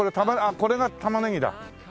これが玉ネギだ。